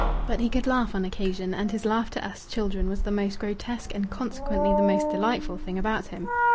But he could laugh on occasion, and his laugh to us children was the most grotesque and consequently the most delightful thing about him.